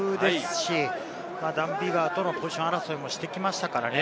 経験も豊富ですし、ダン・ビガーとのポジション争いもしてきましたからね。